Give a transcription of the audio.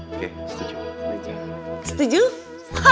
oke setuju beresnya